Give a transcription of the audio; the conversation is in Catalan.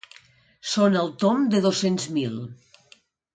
Són al tomb de dos-cents mil.